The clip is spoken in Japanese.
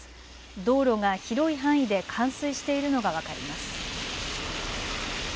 道路が広い範囲で冠水しているのが分かります。